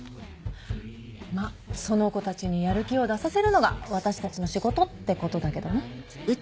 まっその子たちにやる気を出させるのが私たちの仕事ってことだけどね。